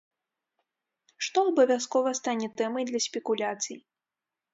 Што абавязкова стане тэмай для спекуляцый.